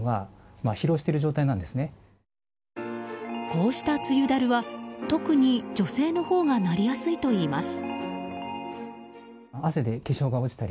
こうした梅雨だるは特に女性のほうがなりやすいといいます。